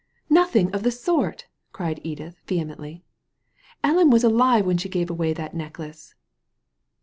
" Nothing of the sort 1 " cried Edith, vehemently. "Ellen was alive when she gave away that neck lace."